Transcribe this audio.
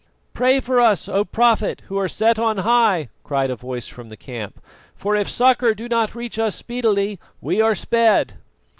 "Pray for us, O Prophet who are set on high!" cried a voice from the camp, "for if succour do not reach us speedily, we are sped."